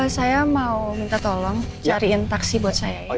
saya mau minta tolong cariin taksi buat saya